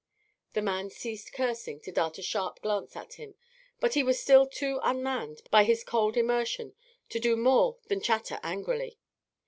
The man ceased cursing to dart a sharp glance at him, but he was still too unmanned by his cold immersion to do more than chatter angrily.